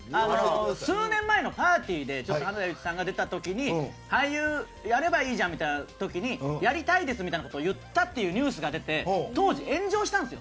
数年前のパーティーで花田優一さんが出た時に俳優をやればいいじゃんみたいな時にやりたいんですと言ったってニュースが出て当時、炎上したんですよ。